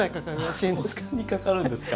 そんなにかかるんですか。